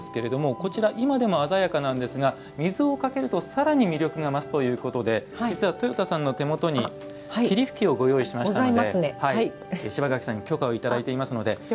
今も鮮やかなんですが水をかけるとさらに魅力が増すということでとよたさんの手元に霧吹きをご用意しましたので柴垣さんに許可をいただいていますので。